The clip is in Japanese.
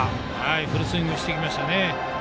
フルスイングしてきました。